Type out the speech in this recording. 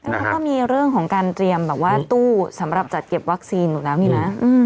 เขาก็มีเรื่องของการเตรียมแบบว่าตู้สำหรับจัดเก็บวัคซีนอยู่แล้วนี่นะ